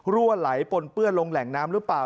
รั่วไหลปนเปื้อนลงแหล่งน้ำหรือเปล่า